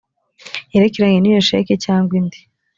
yerekeranye n iyo sheki cyangwa indi